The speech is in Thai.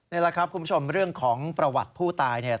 นี่แหละครับคุณผู้ชมเรื่องของประวัติผู้ตายเนี่ย